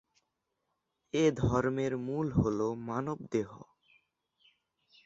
এ ধর্মের মূল হলো মানবদেহ।